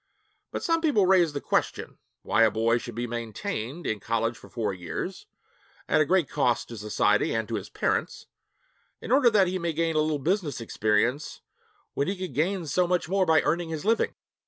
But some people raise the question why a boy should be maintained in college for four years, at a great cost to society and to his parents, in order that he may gain a little business experience when he could gain so much more by earning his living.